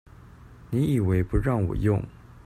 你以為不讓我用